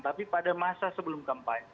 tapi pada masa sebelum kampanye